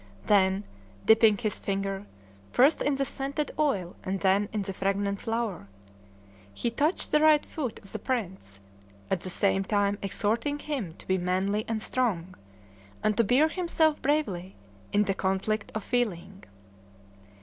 Then dipping his finger, first in the scented oil and then in the fragrant flour, he touched the right foot of the prince, at the same time exhorting him to be manly and strong, and to bear himself bravely in "the conflict of feeling."